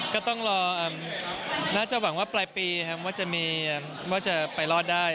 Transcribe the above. ก็ต้องรอน่าจะหวังว่าปลายปีครับว่าจะไปรอดได้